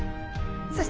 そして。